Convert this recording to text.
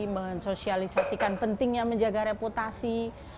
mensosialisasikan pentingnya menjaga reputasi